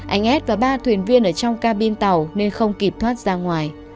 anh as và ba thuyền viên ở trong cabin tàu nên không kịp thoát ra ngoài